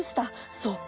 そう！